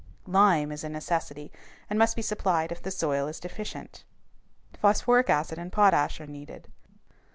Lime is a necessity and must be supplied if the soil is deficient. Phosphoric acid and potash are needed.